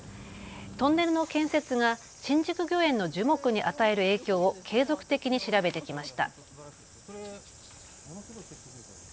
トンネルの建設が新宿御苑の樹木に与える影響を継続的に調べてきました。